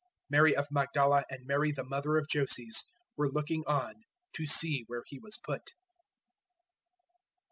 015:047 Mary of Magdala and Mary the mother of Joses were looking on to see where He was put.